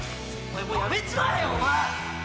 お前もうやめちまえよお前！